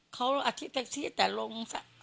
เขาอาทิตย์เซ็กซี่แต่ลง